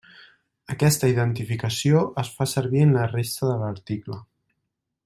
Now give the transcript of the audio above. Aquesta identificació es fa servir en la resta de l'article.